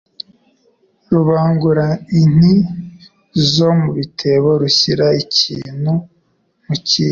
Rubangura inti zo mu bitembo, Rushyira ikintu mu kindi